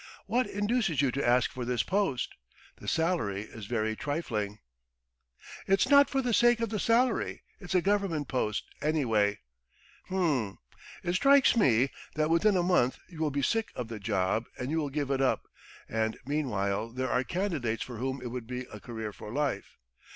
"What induces you to ask for this post? The salary is very trifling!" "It's not for the sake of the salary. ... It's a government post, any way ..." "H'm. ... It strikes me that within a month you will be sick of the job and you will give it up, and meanwhile there are candidates for whom it would be a career for life.